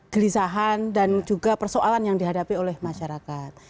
gelisahan dan juga persoalan yang dihadapi oleh masyarakat